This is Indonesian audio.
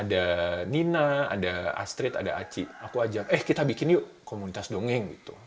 nah ada teman teman yang dekat banget itu ada nina ada astrid ada aci aku ajak eh kita bikin yuk komunitas dongeng gitu